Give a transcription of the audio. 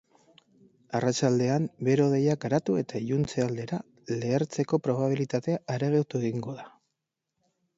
Arratsaldean bero-hodeiak garatu eta iluntze aldera lehertzeko probabilitatea areagotu egingo da.